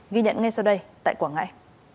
ghi nhận ngay sau đây tại quảng ngãi